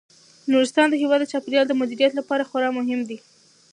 نورستان د هیواد د چاپیریال د مدیریت لپاره خورا مهم دی.